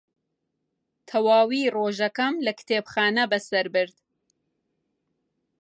تەواوی ڕۆژەکەم لە کتێبخانە بەسەر برد.